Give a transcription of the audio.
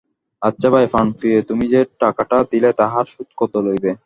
আচ্ছা ভাই প্রাণপ্রিয়ে, তুমি যে টাকাটা দিলে, তাহার সুদ কত লইবে?